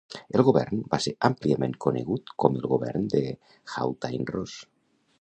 El Govern va ser àmpliament conegut com el Govern de Haultain-Ross.